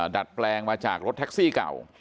ดัดแปลงมาจากรถแท็กซี่เก่า